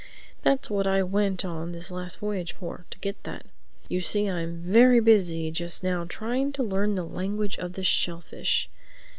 That's what I went on this last voyage for, to get that. You see I'm very busy just now trying to learn the language of the shellfish.